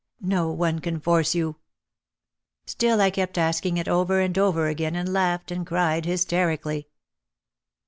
"No one can force you." Still I kept asking it over and over again and laughed and cried hysterically.